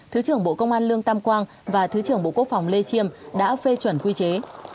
thứ trưởng bộ công an lương tam quang và thứ trưởng bộ quốc phòng lê chiêm đã phê chuẩn quy chế